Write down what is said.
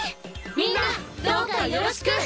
みんなどうかよろしく！